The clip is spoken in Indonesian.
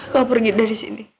kau pergi dari sini